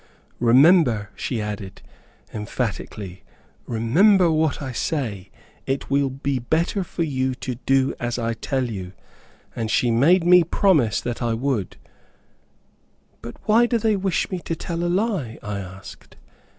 Remember," she added, emphatically, "remember what I say: it will be better for you to do as I tell you." And she made me promise that I would. "But why do they wish me to tell a lie?" I asked.